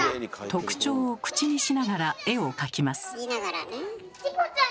特徴を口にしながら絵を描きます。